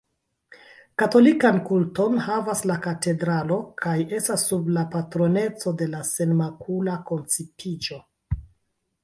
Katolikan kulton havas la katedralo, kaj estas sub la patroneco de la Senmakula koncipiĝo.